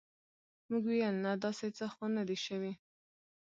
موږ ویل نه داسې څه خو نه دي شوي.